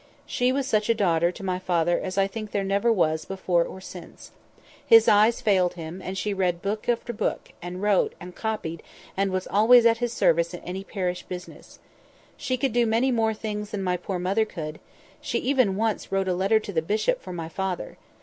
She was such a daughter to my father as I think there never was before or since. His eyes failed him, and she read book after book, and wrote, and copied, and was always at his service in any parish business. She could do many more things than my poor mother could; she even once wrote a letter to the bishop for my father.